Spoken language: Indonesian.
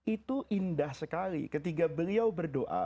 itu indah sekali ketika beliau berdoa